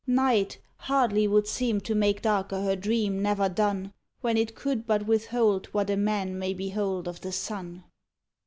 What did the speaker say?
Night hardly would seem to make darker her dream never done, When it could but withhold what a man may behold of the sun.